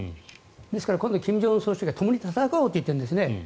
ですから今度、金正恩総書記が共に戦おうと言ってるんですね。